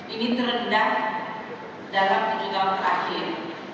ini terendah dalam tujuh tahun terakhir